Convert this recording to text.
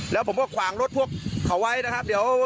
แล้วผมก็ขวางรถทรวบข่าววางนะครับ